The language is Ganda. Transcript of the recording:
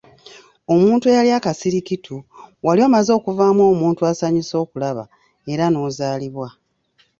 Omuntu eyali akasirikitu, wali omaze okuvaamu omuntu asanyusa okulaba era n'ozaalibwa.